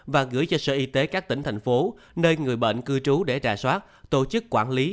và gửi cho sở y tế các tỉnh thành phố nơi người bệnh cư trú để trà soát tổ chức quản lý